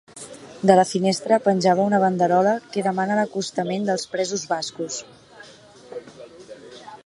De la finestra penjava una banderola que demana l’acostament dels presos bascos.